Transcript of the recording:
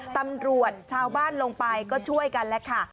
ตำรวจชาวบ้านลงไปก็ช่วยกันแล้วค่ะ